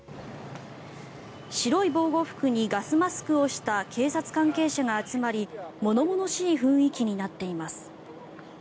白い防護服にガスマスクをした警察関係者が集まり物々しい雰囲気になっています。